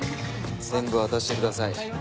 全部渡してください。